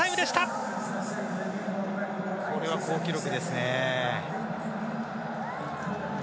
これは好記録ですね。